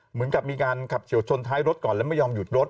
เหมือนกับมีการขับเฉียวชนท้ายรถก่อนแล้วไม่ยอมหยุดรถ